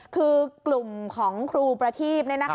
คือกลุ่มของครูประทีพ